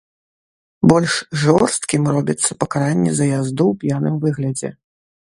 Больш жорсткім робіцца пакаранне за язду ў п'яным выглядзе.